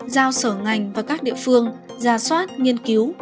giao sở ngành và các địa phương ra soát nghiên cứu